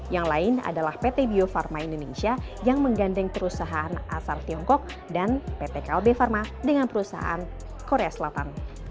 yang lain adalah pt bio farma indonesia yang menggandeng perusahaan asal tiongkok dan pt klb pharma dengan perusahaan korea selatan